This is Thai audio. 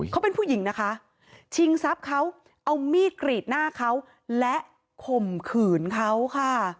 เขาเป็นผู้หญิงนะคะชิงทรัพย์เขาเอามีดกรีดหน้าเขาและข่มขืนเขาค่ะ